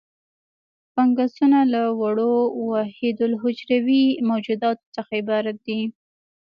فنګسونه له وړو وحیدالحجروي موجوداتو څخه عبارت دي.